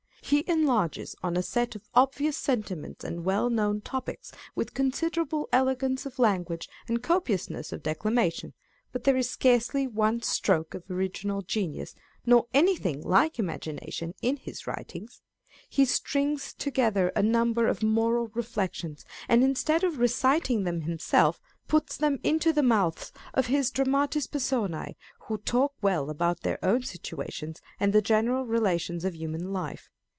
He enlarges on a set of obvious sentiments and well known topics with considerable elegance of language and copious ness of declamation, but there is scarcely one stroke of original genius, nor anything like imagination in his writings. He strings together a number of moral reflec tions, and instead of reciting them himself, puts them into the mouths of his dramatis personce, who talk well about their own situations and the general relations of human life.